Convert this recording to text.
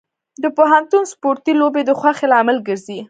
د پوهنتون سپورتي لوبې د خوښۍ لامل ګرځي.